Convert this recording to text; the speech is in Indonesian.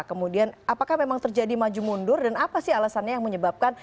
kemudian apakah memang terjadi maju mundur dan apa sih alasannya yang menyebabkan